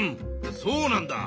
そうなんだ。